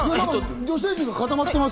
女性陣が固まってます。